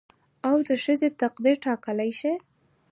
او د ښځې تقدير ټاکلى شي